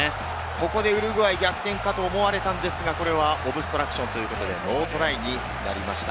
ここでウルグアイ逆転かと思われたんですが、これはオブストラクションということでトライになりませんでした。